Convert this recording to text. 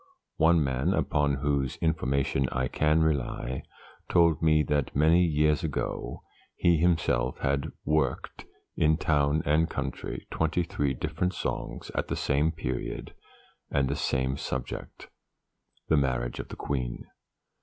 One man, upon whose information I can rely, told me that, many years ago, he himself had "worked" in town and country, twenty three different songs at the same period and the same subject the Marriage of the Queen.